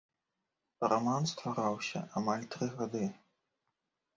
Раман ствараўся амаль тры гады.